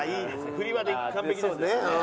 フリは完璧ですね。